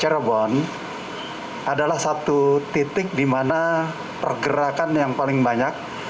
cirebon adalah satu titik di mana pergerakan yang paling banyak